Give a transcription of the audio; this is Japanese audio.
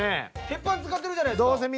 鉄板使ってるじゃないですか。